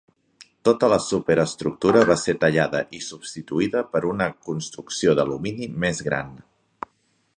Tota la superestructura va ser tallada i substituïda per una construcció d'alumini més gran.